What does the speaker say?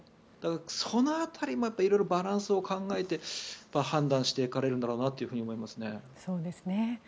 だから、その辺りも色々バランスを考えて判断していかれるんだろうなと思いますね。